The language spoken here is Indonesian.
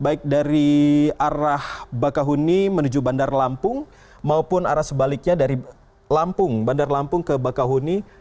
baik dari arah bakahuni menuju bandar lampung maupun arah sebaliknya dari lampung bandar lampung ke bakahuni